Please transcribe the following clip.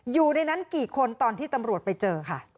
อยู่ในนั้นกี่คนตอนที่ตำรวจไปเจอค่ะ